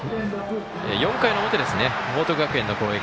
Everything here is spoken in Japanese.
４回の表、報徳学園の攻撃。